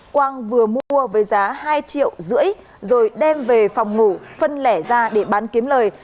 quang vừa mua với giá hai triệu rưỡi rồi đem về phòng ngủ phân lẻ ra để bán kiếm lời